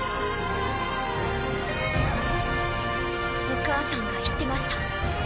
お母さんが言ってました。